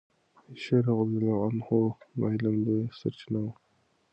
عائشه رضی الله عنها د علم لویه سرچینه وه.